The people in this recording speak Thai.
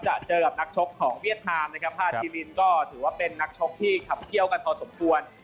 จะเจอกับนักชกของเวียดนามนะครับพาทีมินก็ถือว่าเป็นนักชกที่ขับเขี้ยวกันพอสมควร